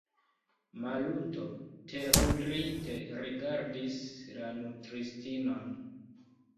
Maluto terurite rigardis la nutristinon.